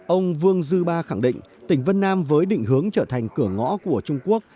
ông vương dư ba khẳng định tỉnh vân nam với định hướng trở thành cửa ngõ của trung quốc